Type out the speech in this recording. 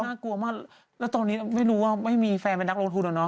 น่ากลัวมากแล้วตอนนี้ไม่รู้ว่าไม่มีแฟนเป็นนักลงทุนอะเนาะ